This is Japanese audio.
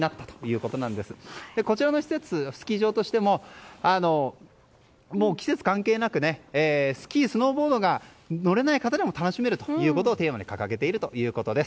こちらの施設、スキー場としても季節関係なくスキー、スノーボードが乗れない方でも楽しめるということをテーマに掲げているそうです。